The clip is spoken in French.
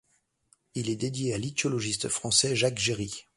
Il est dédié à l'ichtyologiste français Jacques Géry.